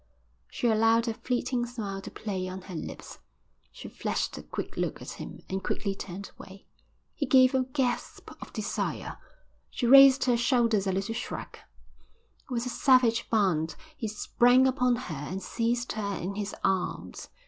She allowed a fleeting smile to play on her lips. She flashed a quick look at him and quickly turned away. He gave a gasp of desire. She raised her shoulders in a little shrug. With a savage bound he sprang upon her and seized her in his arms.